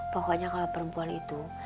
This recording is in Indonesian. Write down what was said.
pokoknya kalau perempuan itu